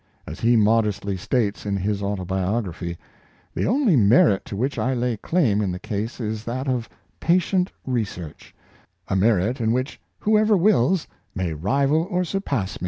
As he modestly states in his au tobiography, " The only merit to which I lay claim in the case is that of patient research — a merit in which whoever wills may rival or surpass m.